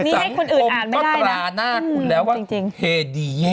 สังคมก็ตราหน้าคุณแล้วว่าเฮดีเย่